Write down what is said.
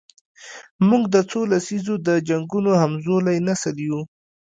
موږ د څو لسیزو د جنګونو همزولی نسل یو.